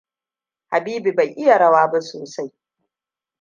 Habibu bai iya rawa ba sosai.